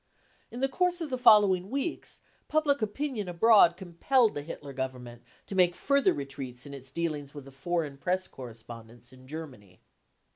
In the course of the following weeks public opinion 192 BROWN BOOK OF THE HITLER TERROR abroad compelled the Hitler Government to make further retreats in its dealings with the foreign Press correspondents in Germany.